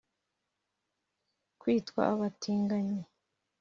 Kwitwa abatinganyi